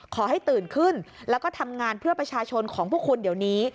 ขอให้ตื่นขึ้นแล้วก็ทำงานเพื่อประชาชนของพวกคุณเดี๋ยวนี้